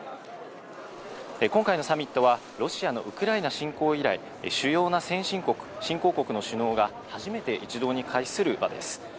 今回のサミットはロシアのウクライナ侵攻以来、主要な先進国・新興国の首脳が初めて一堂に会する場です。